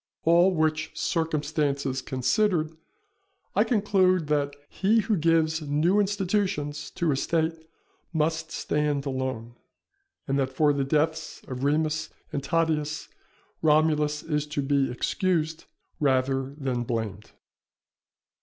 All which circumstances considered, I conclude that he who gives new institutions to a State must stand alone; and that for the deaths of Remus and Tatius, Romulus is to be excused rather than blamed.